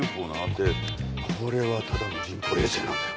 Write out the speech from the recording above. でこれはただの人工衛星なんだよ。